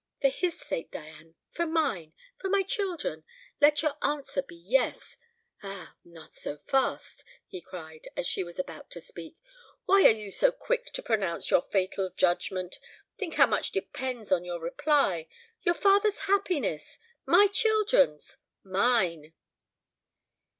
For his sake, Diane, for mine, for my children, let your answer be yes! Ah, not so fast!" he cried, as she was about to speak. "Why are you so quick to pronounce your fatal judgment? Think how much depends on your reply your father's happiness, my children's, mine!"